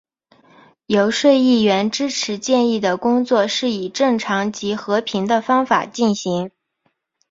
游说议员支持建议的工作是以正常及和平的方法进行。